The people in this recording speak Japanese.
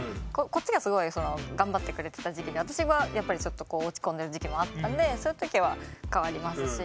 こっちがすごい頑張ってくれてた時期で私はやっぱりちょっとこう落ち込んでる時期もあったんでそういう時は変わりますし。